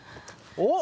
おっ！